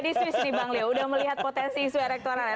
di swiss nih bang leo udah melihat potensi isu elektoralnya